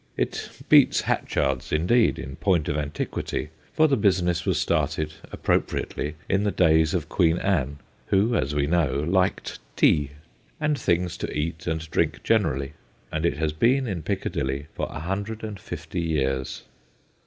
It beats Hatchard's, indeed, in point of antiquity, for the business was started, appropriately, in the days of Queen Anne, who, as we know, liked tea and things to eat and drink generally and it has been in Picca dilly for a hundred and fifty years.